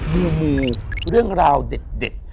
ดูมือเรื่องราวเด็ด